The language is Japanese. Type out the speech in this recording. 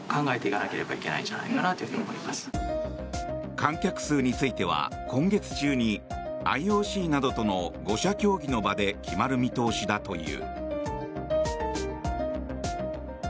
観客数については今月中にＩＯＣなどとの５者協議の場で決まる見通しだという。